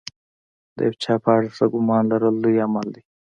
د یو چا په اړه ښه ګمان لرل لوی عمل دی.